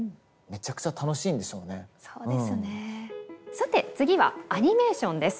さて次はアニメーションです。